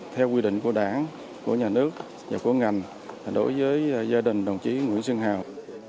theo quy định của đảng của nhà nước và của ngành đối với gia đình đồng chí nguyễn xuân hào